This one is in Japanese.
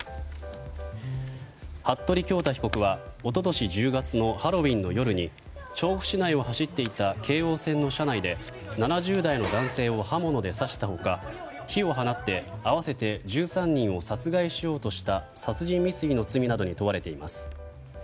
服部恭太被告は一昨年１０月のハロウィーンの夜に調布市内を走っていた京王線の車内で７０代の男性を刃物で刺した他火を放って合わせて１３人を殺害しようとした殺人未遂の罪などに問われています。